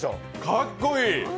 かっこいい！